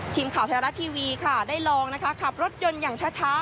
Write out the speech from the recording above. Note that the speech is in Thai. ทีมข่าวแทรวรัตทีวีได้ลองขับรถยนต์อย่างช้า